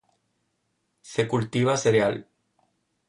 Se cultiva cereal.